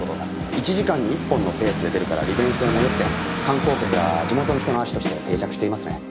１時間に１本のペースで出るから利便性もよくて観光客や地元の人の足として定着していますね。